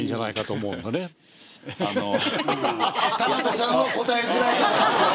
高瀬さんは答えづらいと思いますよ。